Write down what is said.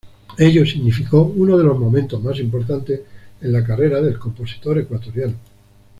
Ello significó uno de los momentos más importantes en la carrera del compositor ecuatoriano.